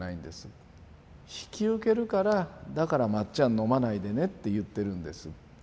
引き受けるからだからまっちゃん飲まないでねって言ってるんです。